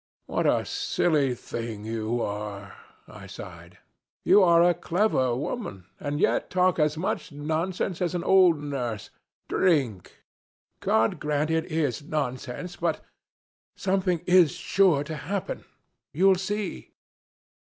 "What a silly thing you are," I sighed. "You are a clever woman, and yet you talk as much nonsense as an old nurse. Drink." "God grant it is nonsense, but... something is sure to happen! You'll see."